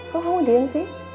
kok kamu diem sih